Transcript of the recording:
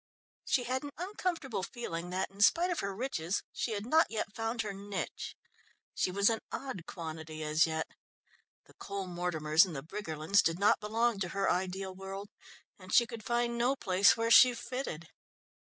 She had an uncomfortable feeling that, in spite of her riches, she had not yet found her niche. She was an odd quantity, as yet. The Cole Mortimers and the Briggerlands did not belong to her ideal world, and she could find no place where she fitted.